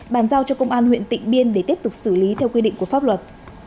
bàn giao cho công an huyện tịnh biên để tiếp tục xử lý theo quy định của pháp luật